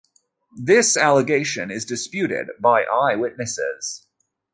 This allegation is disputed by eyewitnesses.